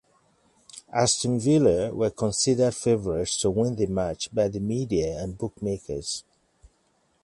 Aston Villa were considered favourites to win the match by the media and bookmakers.